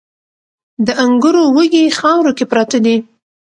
د انګورو وږي خاورو کې پراته دي